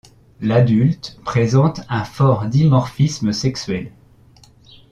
L'adulte présente un fort dimorphisme sexuel.